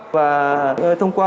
và thông qua